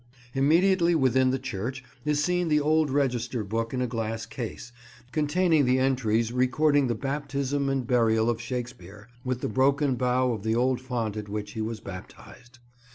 Immediately within the church is seen the old register book in a glass case, containing the entries recording the baptism and burial of Shakespeare, with the broken bow of the old font at which he was baptised.